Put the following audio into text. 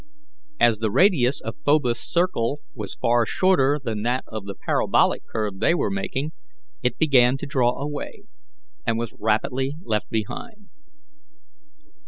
As the radius of Phobos's circle was far shorter than that of the parabolic curve they were making, it began to draw away, and was rapidly left behind.